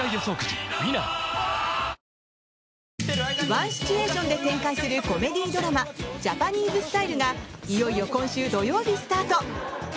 ワンシチュエーションで展開するコメディードラマ「ジャパニーズスタイル」がいよいよ、今週土曜日スタート。